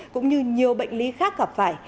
cũng như nhiều bệnh lý khác gặp phải